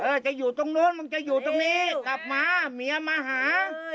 จะอยู่ตรงนู้นมึงจะอยู่ตรงนี้กลับมาเมียมาหา